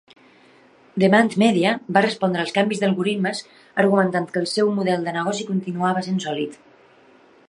Demand Media va respondre als canvis d'algoritmes argumentant que el seu model de negoci continuava sent sòlid.